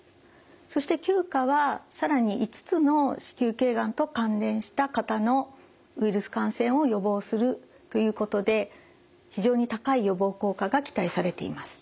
そして９価は更に５つの子宮頸がんと関連した型のウイルス感染を予防するということで非常に高い予防効果が期待されています。